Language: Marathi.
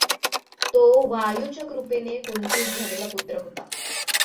तो वायूच्या कृपेने कुंतीस झालेला पुत्र होता.